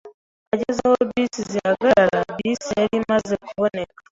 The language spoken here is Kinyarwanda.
Ageze aho bisi zihagarara, bisi yari imaze kuboneka.